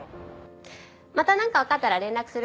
またなんかわかったら連絡するね。